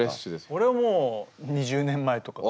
俺はもう２０年前とか。